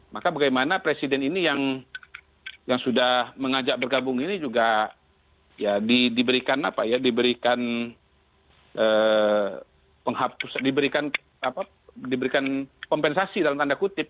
maka bagaimana presiden ini yang sudah mengajak bergabung ini juga diberikan kompensasi dalam tanda kutip